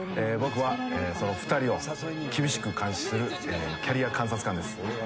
僕はその２人を厳しく監視するキャリア監察官です